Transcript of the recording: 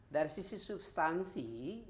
dari sisi substansi